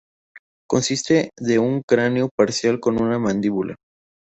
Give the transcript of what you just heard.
Consiste de un cráneo parcial con una mandíbula.